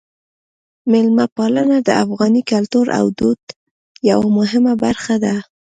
میلمه پالنه د افغاني کلتور او دود یوه مهمه برخه ده.